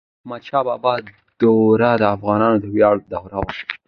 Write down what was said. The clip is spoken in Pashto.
د احمد شاه بابا دور د افغانانو د ویاړ دور و.